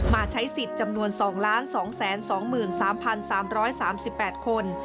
มาใช้สิทธิ์จำนวน๒๒๓๓๘คน